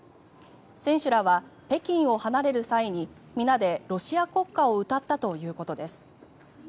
選手らは北京を離れる際に皆でロシア国歌を歌ったということです。